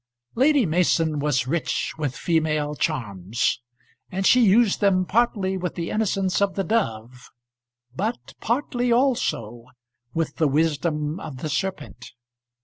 Lady Mason was rich with female charms, and she used them partly with the innocence of the dove, but partly also with the wisdom of the serpent.